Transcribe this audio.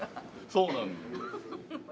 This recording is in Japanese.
そうなんだよ。